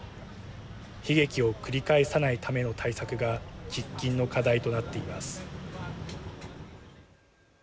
悲劇を繰り返さないための対策が喫緊の課題となっています。